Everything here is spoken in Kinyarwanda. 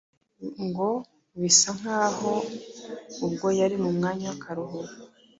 Ngo bisa nk’aho ubwo yari mu mwanya w’akaruhuko